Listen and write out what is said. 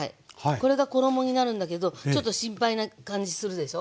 これが衣になるんだけどちょっと心配な感じするでしょ。